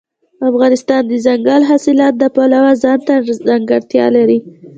افغانستان د دځنګل حاصلات د پلوه ځانته ځانګړتیا لري.